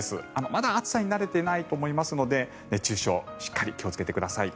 まだ暑さに慣れてないと思いますので熱中症しっかり気をつけてください。